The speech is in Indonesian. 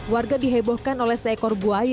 warga dihebohkan oleh seekor buaya